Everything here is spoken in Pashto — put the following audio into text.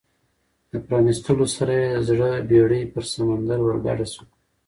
د پرانیستلو سره یې د زړه بېړۍ پر سمندر ورګډه شوه.